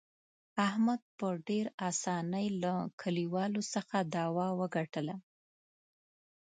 احمد په ډېر اسانۍ له کلیوالو څخه دعوه وګټله.